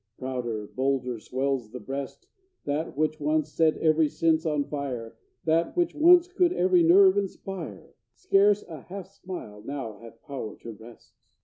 Prouder, bolder, swells the breast. That which once set every sense on fire, That which once could every nerve inspire, Scarce a half smile now hath power to wrest!